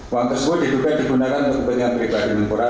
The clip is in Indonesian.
uang tersebut diduga digunakan untuk kepentingan pribadi menpora